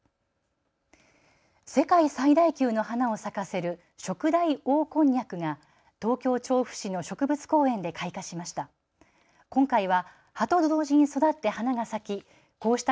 世界最大級の花を咲かせるショクダイオオコンニャクが東京調布市の植物公園で開花しました。